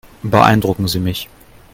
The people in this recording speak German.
Beeindrucken Sie mich.